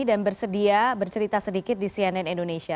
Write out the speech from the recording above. dan bersedia bercerita sedikit di cnn indonesia